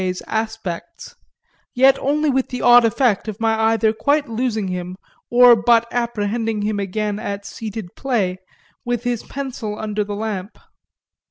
's aspects yet only with the odd effect of my either quite losing him or but apprehending him again at seated play with his pencil under the lamp.